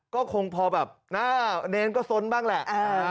ก็คงพอแบบหน้าเนรก็สนบ้างแหละ